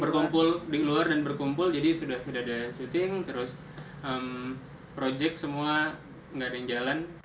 berkumpul di luar dan berkumpul jadi sudah ada syuting terus project semua nggak ada yang jalan